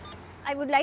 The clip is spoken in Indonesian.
saya ingin berharap